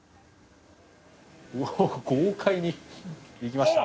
おぉ豪快に行きました。